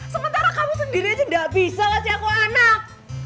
sementara kamu sendiri aja gak bisa kasih aku anak